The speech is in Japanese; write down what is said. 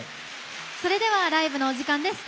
それではライブのお時間です。